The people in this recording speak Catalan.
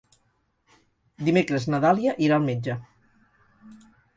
Dimecres na Dàlia irà al metge.